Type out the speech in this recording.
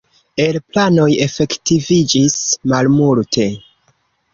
El planoj efektiviĝis malmulte.